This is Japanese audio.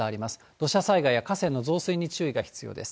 土砂災害や河川の増水に注意が必要です。